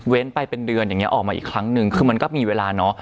เว้นไปเป็นเดือนออกมาอีกครั้งนึงคือมันก็มีเวลา